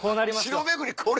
城巡りこれ？